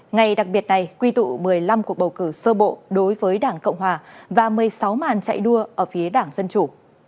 ngày đặc biệt này quy tụ một mươi năm cuộc bầu cử sơ bộ đối với đảng cộng hòa và một mươi sáu màn chạy đua ở phía đảng dân chủ